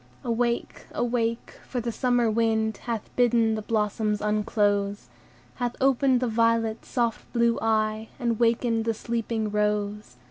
"Awake! awake! for the summer wind Hath bidden the blossoms unclose, Hath opened the violet's soft blue eye, And wakened the sleeping rose.